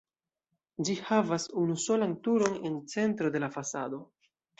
Ĝi havas unusolan turon en centro de la fasado.